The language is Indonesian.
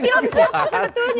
ini film selalu pasang betulnya